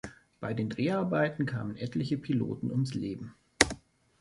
Bei den Dreharbeiten kamen etliche Piloten ums Leben.